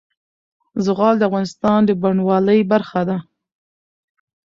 زغال د افغانستان د بڼوالۍ برخه ده.